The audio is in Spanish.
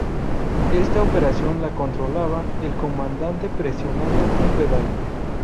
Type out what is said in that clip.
Esta operación la controlaba el comandante presionando un pedal.